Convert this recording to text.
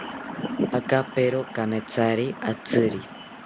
Akapero kamethari atziri